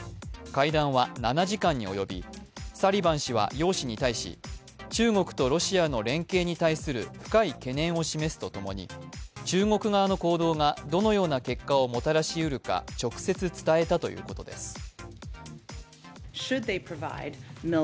会談は７時間に及び、サリバン氏は楊氏に対し中国とロシアの連携に対する深い懸念を示すとともに中国側の行動がどのような結果をもたらしうるか直接伝えたということです。